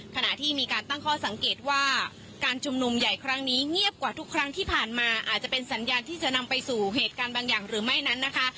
ขณะที่มีการตั้งข้อสังเกตว่าการชุมนุมใหญ่ครั้งนี้เงียบกว่าทุกครั้งที่ผ่านมาอาจจะเป็นสัญญาณที่จะนำไปสู่เหตุการณ์บางอย่างหรือไม่นั้นนะคะ